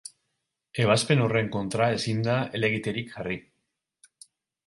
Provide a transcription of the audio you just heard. Ebazpen horren kontra ezin da helegiterik jarri.